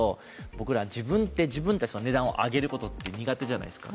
僕ら、自分で自分たちの値段を上げることって苦手じゃないですか。